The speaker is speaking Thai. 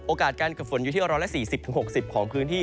โอกาสการกระทบฝนอยู่ที่อร่อยละ๔๐๖๐ของพื้นที่